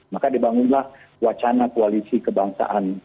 maka dibangunlah wacana koalisi kebangsaan